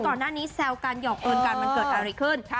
ก่อนหน้านี้แซวกันหยอกเอิญกันมันเกิดอะไรขึ้น